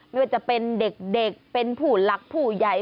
ไม่ว่าจะเป็นเด็กเป็นผู้หลักผู้ใหญ่